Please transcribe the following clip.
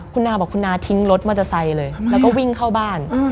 คุณนาบอกคุณนาทิ้งรถมอเตอร์ไซค์เลยแล้วก็วิ่งเข้าบ้าน